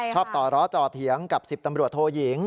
ต่อล้อจ่อเถียงกับ๑๐ตำรวจโทยิง